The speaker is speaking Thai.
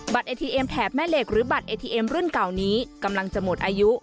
เอทีเอ็มแถบแม่เหล็กหรือบัตรเอทีเอ็มรุ่นเก่านี้กำลังจะหมดอายุ